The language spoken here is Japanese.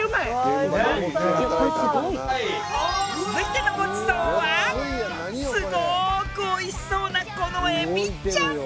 続いてのごちそうはすごくおいしそうなこの海老ちゃん！